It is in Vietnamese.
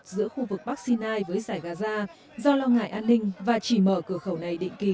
giữa khu vực bắc sinai với giải gaza do lo ngại an ninh và chỉ mở cửa khẩu này định kỳ